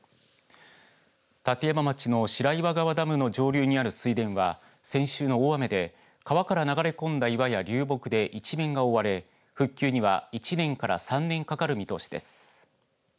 立山町の白岩川ダムの上流にある水田は先週の大雨で川から流れ込んだ岩や流木で一面が覆われ復旧には１年から３年かかる見通しです。